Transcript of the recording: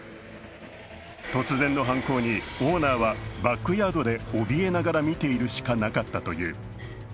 突然の犯行にオーナーはバックヤードでおびえながら見ているしかなかったという。